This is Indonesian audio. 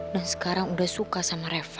dan sekarang udah suka sama reva